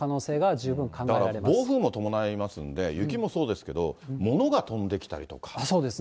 だから暴風も伴いますんで、雪もそうですけど、そうですね。